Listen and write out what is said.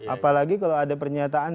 apalagi kalau ada pernyataan